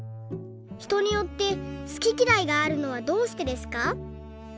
ひとによって好ききらいがあるのはどうしてですか？」。